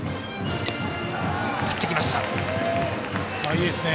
いいですね。